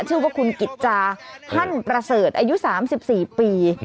ชื่อว่าคุณกิจจาฮั่นประเสริฐอายุ๓๔ปี